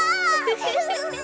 フフフフ。